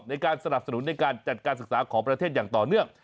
ในการสนับสนุนในการจัดการศึกษาของประเทศอย่างต่อเนื่อง